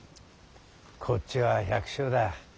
こっちは百姓だ。